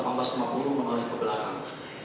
menoleh ke belakang